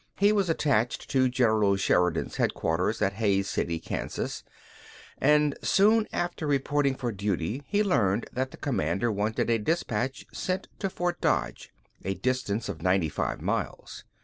He was attached to General Sheridan's headquarters at Hays City, Kansas; and soon after reporting for duty he learned that the commander wanted a dispatch sent to Fort Dodge, a distance of ninety five miles.